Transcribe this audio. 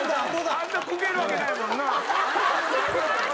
あんなこけるわけないもんな。